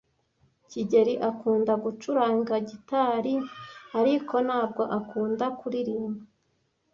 kigeli akunda gucuranga gitari, ariko ntabwo akunda kuririmba.